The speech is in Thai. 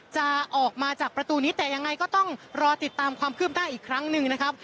จะออกมาจากประตูนี้แต่ยังไงก็ต้องรอติดตามความคืบหน้าอีกครั้งหนึ่งนะครับ